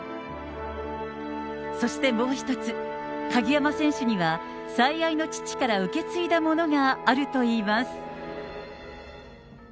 そしてもう一つ、鍵山選手には、最愛の父から受け継いだものがあるといいます。